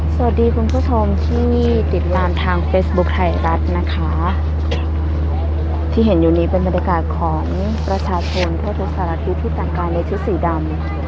สวัสดีคุณผู้ชมที่ติดตามทางเฟซบุ๊คไทยรัฐนะคะที่เห็นอยู่นี้เป็นบรรยากาศของประชาชนทั่วทุกสารทิศที่แต่งกายในชุดสีดำ